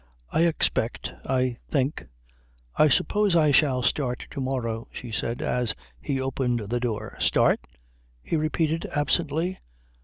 "I expect I think I suppose I shall start to morrow," she said as he opened the door. "Start?" he repeated absently.